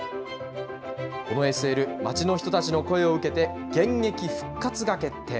このＳＬ、町の人たちの声を受けて、現役復活が決定。